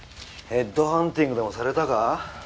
ヘッドハンティングでもされたか？